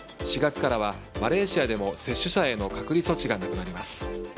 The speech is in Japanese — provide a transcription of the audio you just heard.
４月からはマレーシアでも接種者への隔離措置がなくなります。